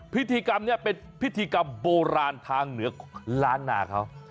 พิธีกรรมนี้เป็นพิธีกรรมโบราณทางเหนือล้านนาเขา